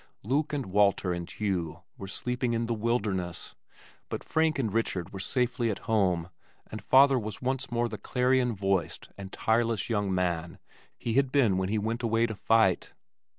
Luke and Walter and Hugh were sleeping in The Wilderness, but Frank and Richard were safely at home and father was once more the clarion voiced and tireless young man he had been when he went away to fight.